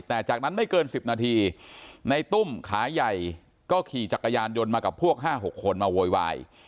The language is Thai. แต่จากนั้นไม่เกิน๑๐นาทีในตุ้มขาใหญ่ก็ขี่จักรยานยนต์มากับพวก๕๖คนมาโวยวาย